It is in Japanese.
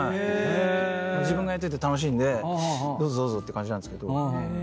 自分がやってて楽しいんでどうぞどうぞって感じですけど。